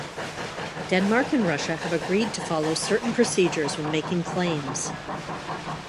Denmark and Russia have agreed to follow certain procedures when making claims.